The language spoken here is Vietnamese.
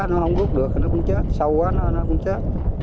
nó không gốc được thì nó cũng chết sâu quá thì nó cũng chết